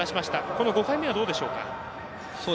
この５回目はどうでしょうか。